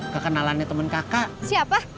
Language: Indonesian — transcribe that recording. kekenalannya temen kakak siapa